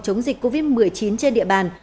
chống dịch covid một mươi chín trên địa bàn